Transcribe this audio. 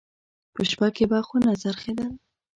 په شپه کې به خونه څرخېدل.